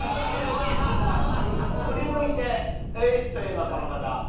振り向いてウイッスといえばこの方。